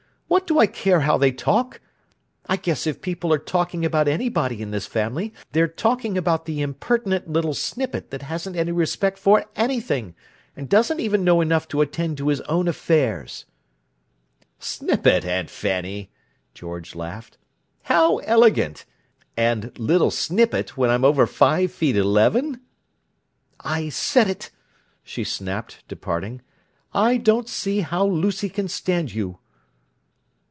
What do I care how they talk? I guess if people are talking about anybody in this family they're talking about the impertinent little snippet that hasn't any respect for anything, and doesn't even know enough to attend to his own affairs!" "'Snippet,' Aunt Fanny!" George laughed. "How elegant! And 'little snippet'—when I'm over five feet eleven?" "I said it!" she snapped, departing. "I don't see how Lucy can stand you!"